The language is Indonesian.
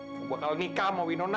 aku bakal nikah sama winona